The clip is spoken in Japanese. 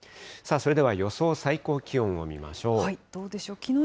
それでは予想最高気温を見ましょう。